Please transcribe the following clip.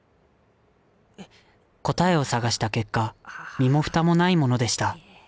答えを探した結果身も蓋もないものでした